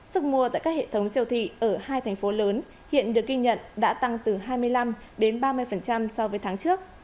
sức mua tại các hệ thống siêu thị ở hai thành phố lớn hiện được ghi nhận đã tăng từ hai mươi năm đến ba mươi so với tháng trước